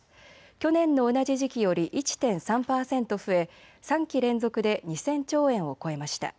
去年の同じ時期より１．３％増え３期連続で２０００兆円を超えました。